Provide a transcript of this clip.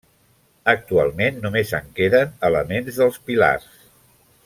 Actualment només en queden elements dels pilars.